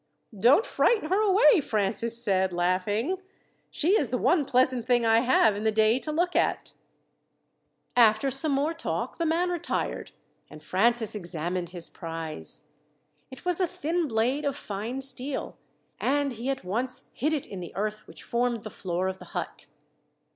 "Don't frighten her away," Francis said, laughing. "She is the one pleasant thing I have in the day to look at." After some more talk the man retired, and Francis examined his prize. It was a thin blade of fine steel, and he at once hid it in the earth which formed the floor of the hut.